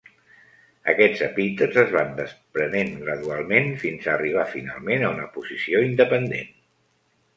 Aquests epítets es van desprenent gradualment fins a arribar finalment a una posició independent.